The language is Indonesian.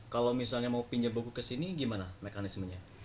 kalau misalnya mau pinjam buku ke sini gimana mekanismenya